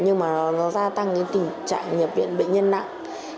nhưng mà nó gia tăng cái tình trạng nhập viện bệnh nhân nặng